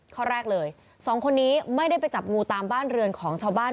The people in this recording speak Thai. ข้อแรกเลยสองคนนี้ไม่ได้ไปจับงูตามบ้านเรือนของชาวบ้าน